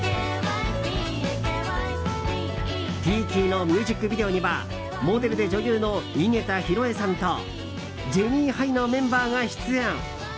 「ＰＥＡＫＹ」のミュージックビデオにはモデルで女優の井桁弘恵さんとジェニーハイのメンバーが出演。